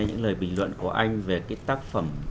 những lời bình luận của anh về cái tác phẩm